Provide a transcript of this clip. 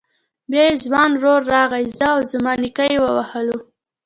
بيا يې ځوان ورور راغی زه او زما نيکه يې ووهلو.